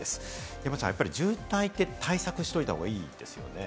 山ちゃん、やっぱり渋滞は対策しといたほうがいいですよね。